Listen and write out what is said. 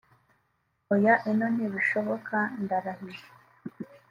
Oya ino ntibishoboka ndarahiye”